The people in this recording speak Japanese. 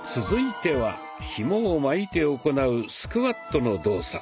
続いてはひもを巻いて行うスクワットの動作。